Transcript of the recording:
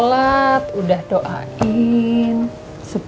nah dia malah ada anak siap